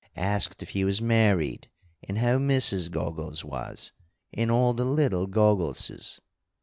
Asked if he was married, and how Mrs. Goggles was, and all the little Goggleses.